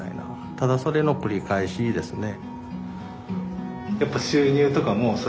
ただそれの繰り返しですね。